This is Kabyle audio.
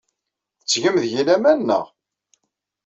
Tettgem deg-i laman, naɣ?